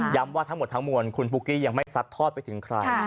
ว่าทั้งหมดทั้งมวลคุณปุ๊กกี้ยังไม่ซัดทอดไปถึงใคร